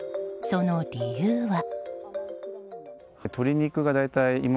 その理由は。